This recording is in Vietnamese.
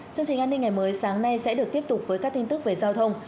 chương trình an ninh ngày mới sáng nay sẽ được tiếp tục với các tin tức về giao thông